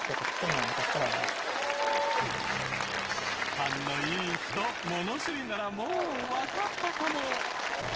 勘のいい人物知りならもうわかったかも。